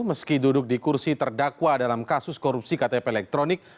meski duduk di kursi terdakwa dalam kasus korupsi ktp elektronik